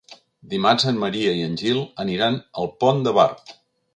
Dimarts en Maria i en Gil aniran al Pont de Bar.